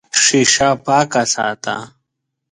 شیشه پاکه ساته.